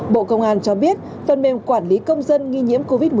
bộ công an cho biết phần mềm quản lý công dân nghi nhiễm covid một mươi chín